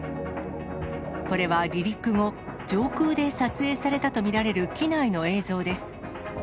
これは離陸後、上空で撮影されたと見られる機内の映像です。